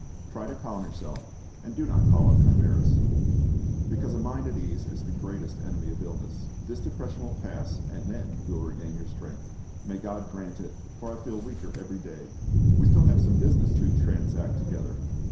Try to calm yourself, and do not call up chimeras; because a mind at ease is the greatest enemy of illness. This depression will pass, and then you will regain your strength." "May God grant it! for I feel weaker every day." "We have still some business to transact together.